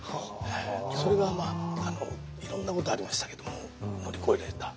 それがまあいろんなことありましたけども乗り越えられた。